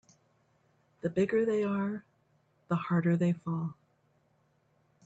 The bigger they are the harder they fall.